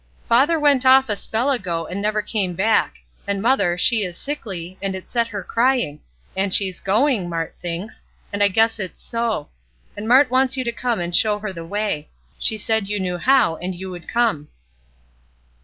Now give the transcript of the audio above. "Father went off a spell ago, and never came back; and mother, she is sickly, and it set her crying; and she's going, Mart thinks, and I guess it's so; and Mart wants you to come and show her the way. She said you knew how, and you would come."